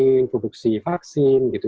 yang produksi vaksin gitu